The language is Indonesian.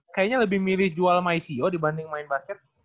kayaknya lebih mirip jual myco dibanding main basket